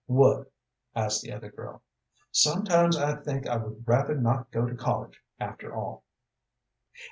"What?" asked the other girl. "Sometimes I think I would rather not go to college, after all."